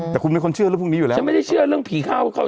แต่คุณเป็นคนเชื่อเรื่องพวกนี้อยู่แล้วฉันไม่ได้เชื่อเรื่องผีเข้า